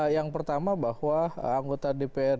yang pertama bahwa anggota dprd ini adalah